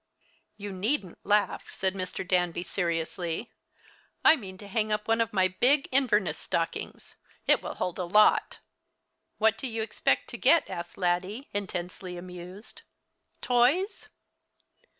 "You needn't laugh," said Mr. Danby, seriously. "I mean to hang up one of my big Inverness stockings. It will hold a lot." "What do you expect to get?" asked Laddie, intensely amused. "Toys?"